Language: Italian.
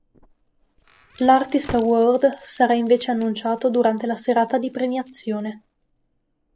L"'Artist Award" sarà invece annunciato durante la serata di premiazione.